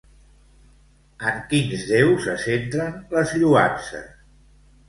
En quins déus se centren les lloances?